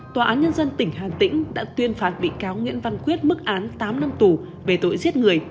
tòa án nhân dân tỉnh hà tĩnh đã tuyên phạt bị cáo nguyễn văn quyết mức án tám năm tù về tội giết người